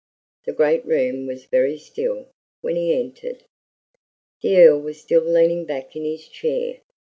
The great room was very still when he entered. The Earl was still leaning back in his chair.